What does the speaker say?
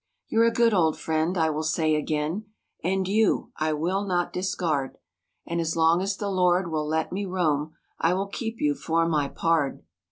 You're a good old friend, I will say again, And you, I will not discard. And as long as the Lord will let me roam I will keep you for my pard.